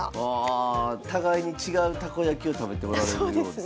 互いに違うたこ焼きを食べておられるようですね。